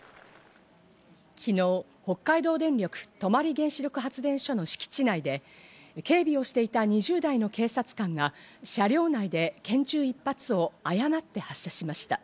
昨日、北海道電力・泊原子力発電所の敷地内で、警備をしていた２０代の警察官が車両内で拳銃一発を誤って発射しました。